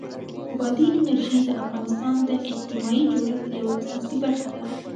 بادي انرژي د افغانستان د اجتماعي جوړښت یوه اساسي برخه ده.